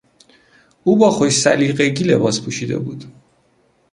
او با خوش سلیقگی لباس پوشیده بود.